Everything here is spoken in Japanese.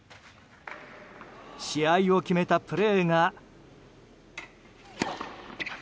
試合を決めたプレーが。